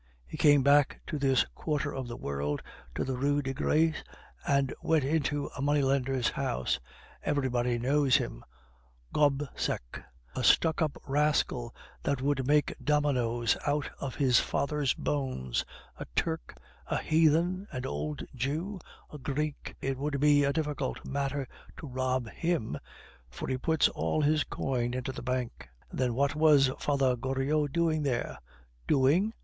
He came back to this quarter of the world, to the Rue des Gres, and went into a money lender's house; everybody knows him, Gobseck, a stuck up rascal, that would make dominoes out of his father's bones, a Turk, a heathen, an old Jew, a Greek; it would be a difficult matter to rob him, for he puts all his coin into the Bank." "Then what was Father Goriot doing there?" "Doing?"